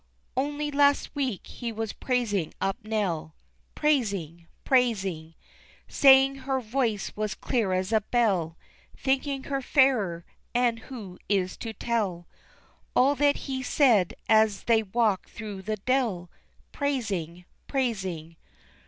Only last week he was praising up Nell Praising praising Saying her voice was clear as a bell, Thinking her fairer, and who is to tell All that he said as they walked through the dell? Praising, praising!